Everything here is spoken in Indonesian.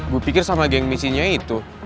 gue pikir sama geng misinya itu